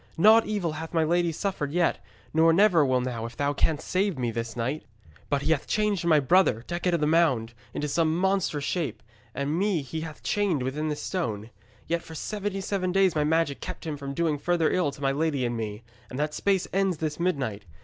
Naught evil hath my lady suffered yet, nor never will now if thou canst save me this night. But he hath changed my brother, Decet of the Mound, into some monstrous shape, and me he hath chained within this stone. Yet for seventy seven days my magic kept him from doing further ill to my lady and me; and that space ends this midnight.